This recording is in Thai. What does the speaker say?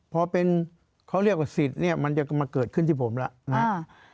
พอเป็นเขาเรียกว่าสิทธิ์เนี่ยมันจะมาเกิดขึ้นที่ผมแล้วนะครับ